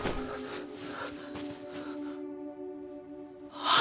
あっ！